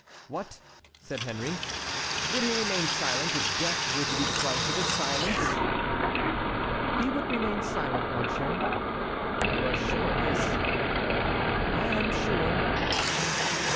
"What!" said Henry, "would he remain silent if death were to be the price of his silence?" "He would remain silent, monsieur." "You are sure of this?" "I am sure."